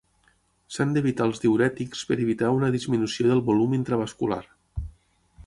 S'han d'evitar els diürètics per evitar una disminució del volum intravascular.